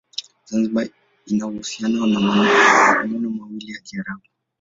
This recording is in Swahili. Zanzibar ina uhusiano na maneno mawili ya Kiarabu.